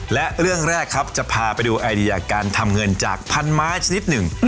และเรื่องแรกครับจะพาไปดูไอเดียการทำเงินจากพันไม้สักนิดหนึ่ง